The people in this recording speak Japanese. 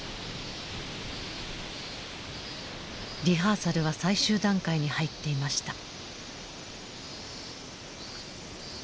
リハーサルは最終段階に入っていました。